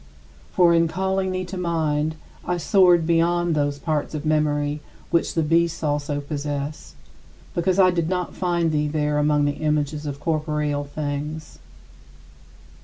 For in calling thee to mind, I soared beyond those parts of memory which the beasts also possess, because I did not find thee there among the images of corporeal things.